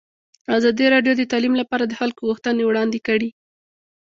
ازادي راډیو د تعلیم لپاره د خلکو غوښتنې وړاندې کړي.